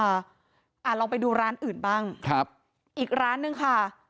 เขาเคยรับผลิตภัณฑ์จากสำนักรัฐที่ประหลาดมาขายด้วยเหมือนกัน